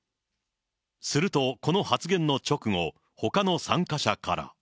するとこの発言の直後、ほかの参加者から。